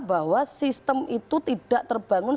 bahwa sistem itu tidak terbangun